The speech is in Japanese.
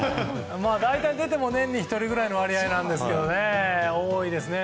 大体、出ても年に１人ぐらいの割合なんですけど多いですね。